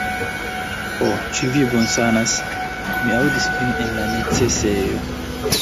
"Ho, ĉu vi bonsanas? Mi aŭdis vin en la necesejo!"